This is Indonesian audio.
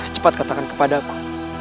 cepat katakan kepadaku